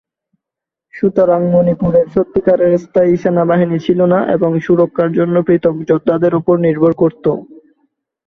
সুতরাং মণিপুরের সত্যিকারের স্থায়ী সেনাবাহিনী ছিল না এবং সুরক্ষার জন্য পৃথক যোদ্ধাদের উপর নির্ভর করত।